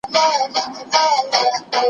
ژوند یو لوی امانت دی.